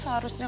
itu mama sedih